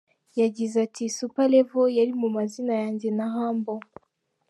Yagize ati “Super Level yari mu mazina yanjye na Humble.